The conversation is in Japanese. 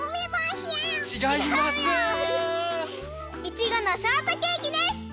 いちごのショートケーキです！